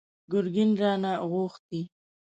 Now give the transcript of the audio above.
ګرګين رانه غوښتي!